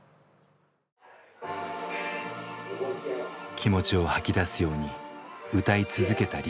気持ちを吐き出すように歌い続けたＲＹＵＪＩ。